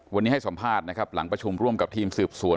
วันนี้ให้สัมภาษณ์นะครับหลังประชุมร่วมกับทีมสืบสวน